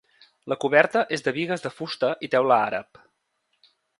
La coberta és de bigues de fusta i teula àrab.